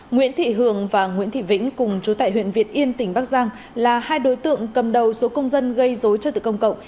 nguyễn thị hường và nguyễn thị vĩnh cùng chú tại huyện việt yên tỉnh bắc giang là hai đối tượng cầm đầu số công dân gây dối cho tự công cộng